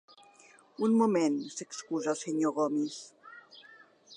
Un moment —s'excusa el senyor Gomis—.